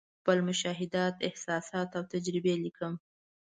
خپل مشاهدات، احساسات او تجربې لیکم.